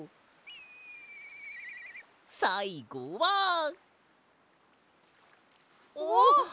さいごは。おっ！？